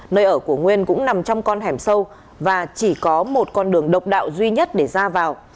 nơi ở của nguyên cũng nằm trong con hẻm sâu và chỉ có một con đường độc đạo duy nhất để ra vào